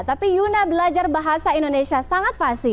tapi yuna belajar bahasa indonesia sangat fasi